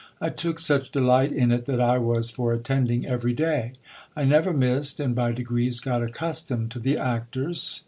I took such delight in it, that I was for attending every day. I never missed, and by degrees got accustomed to the actors.